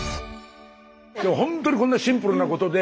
ほんとにこんなシンプルなことで。